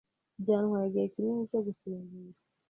Byantwaye igihe kinini cyo gusinzira.